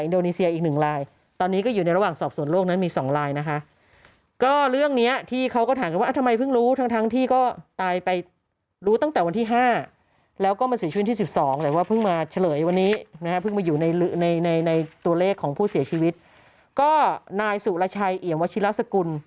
ต้นแต่วันที่๕แล้วก็มันสิ้นที่๑๒เลยว่าเพิ่งมาเฉลยวันนี้นะพึ่งมาอยู่ในหลืดในในในตัวเลขของผู้เสียชีวิตก็นายสุรชัยเหยียงวชิราศกุล